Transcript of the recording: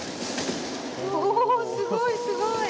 おすごいすごい！